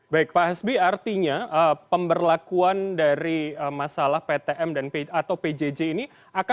baik pak hasbi artinya pemberlakuan dari masalah ptm atau pjj ini